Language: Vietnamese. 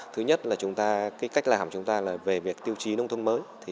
thứ nhất là cách làm chúng ta về việc tiêu chí nông thôn mới